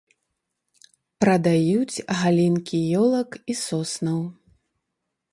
Прадаюць галінкі ёлак і соснаў.